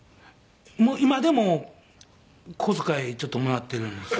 今でも小遣いちょっともらってるんです。